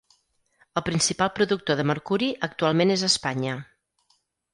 El principal productor de mercuri actualment és Espanya.